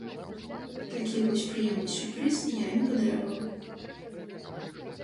Такі вось прыемны сюрпрыз я ім падараваў.